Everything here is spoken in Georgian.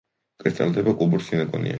კრისტალდება კუბურ სინგონიაში.